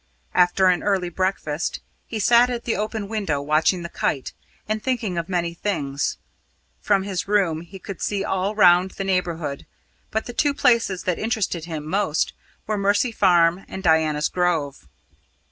After an early breakfast, he sat at the open window watching the kite and thinking of many things. From his room he could see all round the neighbourhood, but the two places that interested him most were Mercy Farm and Diana's Grove.